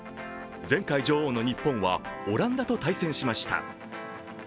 前回女王の日本はオランダと対戦しました。